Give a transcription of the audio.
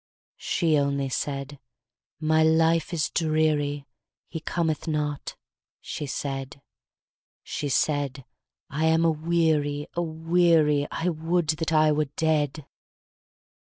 She only said, 'My life is dreary, He cometh not,' she said; She said, 'I am aweary, aweary,' I would that I were dead!'